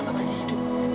pak pak masih hidup